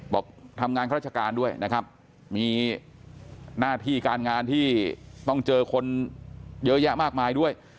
บอกทำงานข้าราชการด้วยนะครับมีหน้าที่การงานที่ต้องเจอคนเยอะแยะมากมายด้วย